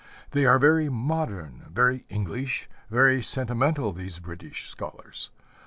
They are very modern, very English, very sentimental, these British scholars.